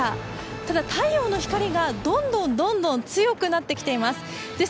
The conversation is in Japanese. ただ太陽の光がどんどん、どんどん強くなってきています。